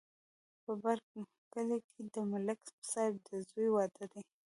په بر کلي کې د ملک صاحب د زوی واده دی